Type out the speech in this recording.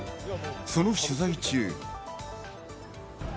その取材中。